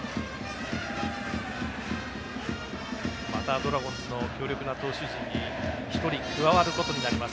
またドラゴンズの強力な投手陣に１人加わることになります